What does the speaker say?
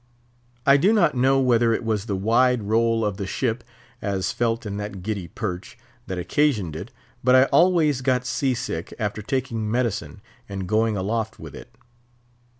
I do not know whether it was the wide roll of the ship, as felt in that giddy perch, that occasioned it, but I always got sea sick after taking medicine and going aloft with it.